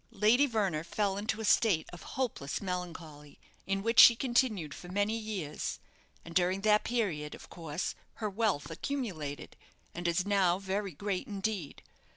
Lady Verner fell into a state of hopeless melancholy, in which she continued for many years, and during that period, of course, her wealth accumulated, and is now very great indeed.